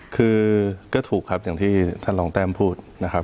คือก็ถูกครับอย่างที่ท่านรองแต้มพูดนะครับ